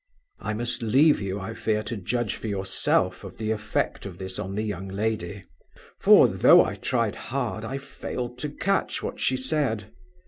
"I must leave you, I fear, to judge for yourself of the effect of this on the young lady; for, though I tried hard, I failed to catch what she said.